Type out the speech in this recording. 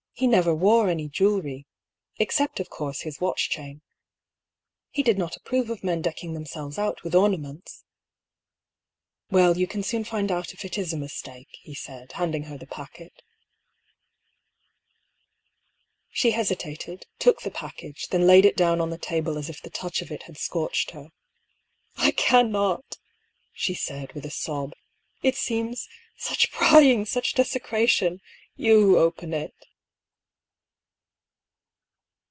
" He never wore any jew ellery — except, of course, his watchchain. He did not ap prove of men decking themselves out with ornaments." '^ Well, you can soon find out if it is a mistake," he said, handing her the packet. She hesitated, took the package, then laid it down on the table as if the touch of it had scorched her. " I cannot !" she said, with a sob. " It seems — such prying, such desecration ! You open it."